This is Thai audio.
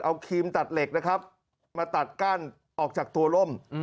เอาครีมตัดเหล็กนะครับมาตัดกั้นออกจากตัวร่ม